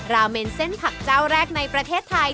ราเมนเส้นผักเจ้าแรกในประเทศไทย